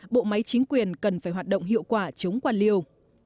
bộ máy chính quyền cần phải hoạt động hiệu quả chống quan liêu